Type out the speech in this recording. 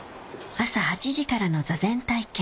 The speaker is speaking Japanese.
朝８時からの坐禅体験